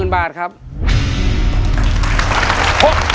๖๐๐๐๐บาทครับ